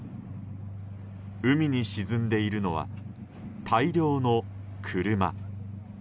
海に沈んでいるのは大量の車。